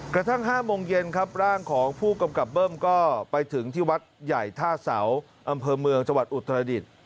กระทั่ง๕โมงเย็นครับร่างของผู้กำกับเบิ้มก็ไปถึงที่วัดใหญ่ท่าเสาอำเภอเมืองจังหวัดอุตรดิษฐ์